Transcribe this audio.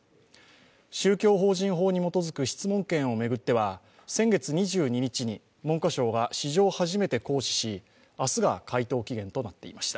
宗教法人法に基づく質問権を巡っては先月２２日に文科省が史上初めて行使し、明日が回答期限となっていました。